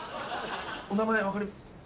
お名前分かります？